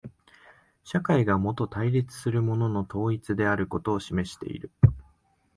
社会がもと対立するものの統一であることを示している。